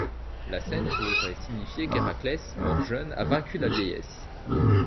La scène pourrait signifier qu'Héraclès, mort jeune, a vaincu la vieillesse.